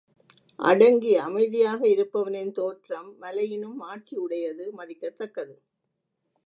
அடங்கி அமைதியாக இருப்பவனின் தோற்றம் மலையினும் மாட்சி உடையது மதிக்கத் தக்கது.